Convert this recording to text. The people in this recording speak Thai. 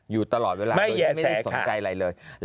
อยู่ตลอดเวลาไม่ได้สนใจอะไรเลยไม่แยะแสค่ะ